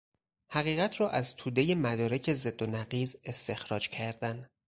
حقیقت را از تودهی مدارک ضد و نقیض استخراج کردن